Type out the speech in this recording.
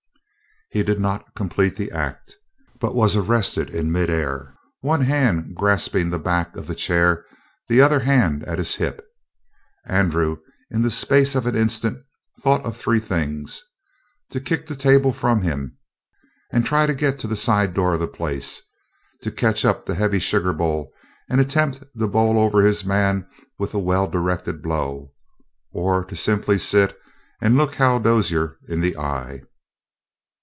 He did not complete the act, but was arrested in midair, one hand grasping the back of the chair, the other hand at his hip. Andrew, in the space of an instant, thought of three things to kick the table from him and try to get to the side door of the place, to catch up the heavy sugar bowl and attempt to bowl over his man with a well directed blow, or to simply sit and look Hal Dozier in the eye.